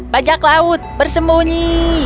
bajak laut bersembunyi